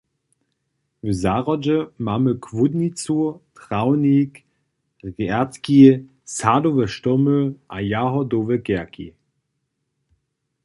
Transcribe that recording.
W zahrodźe mamy chłódnicu, trawnik, rjadki, sadowe štomy a jahodowe kerki.